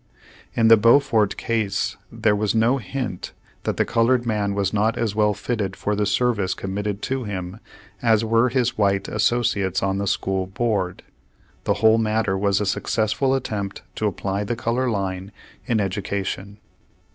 In the Beaufort case there was no hint that the colored man was not as well fitted for the service committed to him, as were his white associates on the school board. The whole matter v/as a successful attempt to apply the color line in education.